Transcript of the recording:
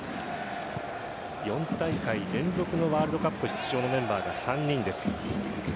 ４大会連続のワールドカップ出場のメンバーが３人です。